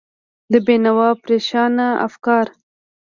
د بېنوا پرېشانه افکار